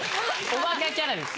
・おバカキャラです。